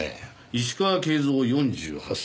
石川圭三４８歳。